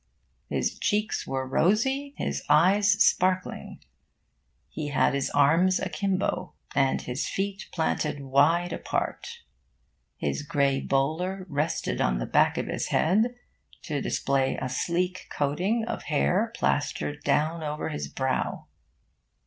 His cheeks were rosy, his eyes sparkling. He had his arms akimbo, and his feet planted wide apart. His grey bowler rested on the back of his head, to display a sleek coating of hair plastered down over his brow.